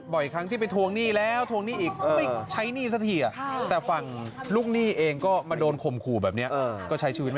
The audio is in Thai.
บอกอีกครั้งที่ไปทวงหนี้แล้วทวงหนี้อีก